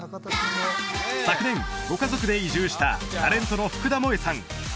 昨年ご家族で移住したタレントの福田萌さん